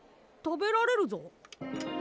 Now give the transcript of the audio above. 食べられるぞ！